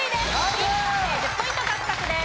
ビンゴ達成１０ポイント獲得です。